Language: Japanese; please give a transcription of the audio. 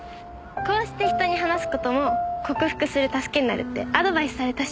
こうして人に話す事も克服する助けになるってアドバイスされたし。